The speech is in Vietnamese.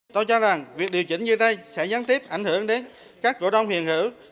tôi cho rằng việc điều chỉnh như đây sẽ gián tiếp ảnh hưởng đến các cổ đông hiện hữu